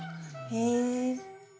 へえ。